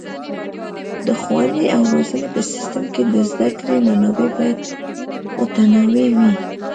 د ښوونې او روزنې په سیستم کې د زده کړې منابع باید متنوع وي.